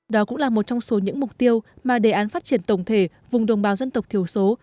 đó cũng là một trong số những mục tiêu mà đề án phát triển tổng thể vùng đồng bào dân tộc thiểu số